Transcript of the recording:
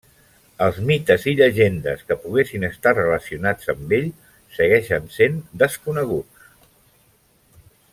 Els mites i llegendes que poguessin estar relacionats amb ell segueixen sent desconeguts.